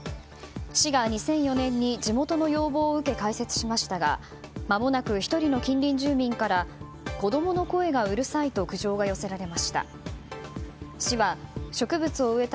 市が２００４年に地元の要望を受け開設しましたがまもなく１人の近隣住民から子供の声がうるさいと苦情が寄せられました。